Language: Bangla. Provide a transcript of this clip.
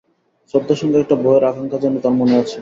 শ্রদ্ধার সঙ্গে একটা ভয়ের আকাঙক্ষা যেন তার মনে আছে।